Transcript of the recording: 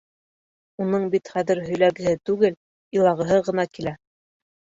Уның бит хәҙер һөйләгеһе түгел, илағыһы ғына килә...